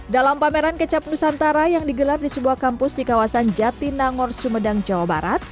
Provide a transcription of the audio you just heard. dalam pameran kecap nusantara yang digelar di sebuah kampus di kawasan jatinangor sumedang jawa barat